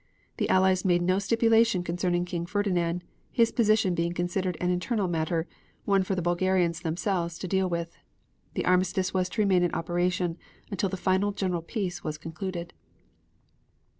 The Allies made no stipulation concerning King Ferdinand, his position being considered an internal matter, one for the Bulgarians themselves to deal with. The armistice was to remain in operation until the final general peace was concluded.